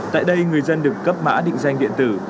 tại đây người dân được cấp mã định danh điện tử